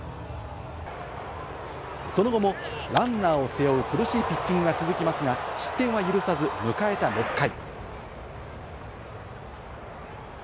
その後もランナーを背負う苦しいピッチングが続きますが、失点は許さず迎えた６回。